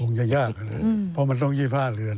คงจะยากเพราะมันต้อง๒๕เรือน